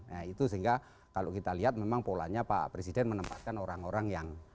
nah itu sehingga kalau kita lihat memang polanya pak presiden menempatkan orang orang yang